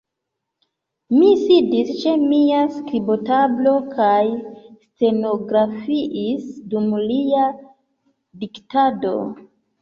Mi sidis ĉe mia skribotablo, kaj stenografiis dum lia diktado.